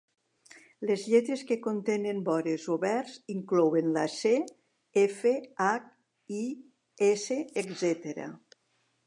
Les lletres que contenen vores oberts inclouen la c, f, h, i, s, etc.